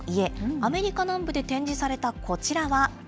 アメリカ南部で展示されたこちらは。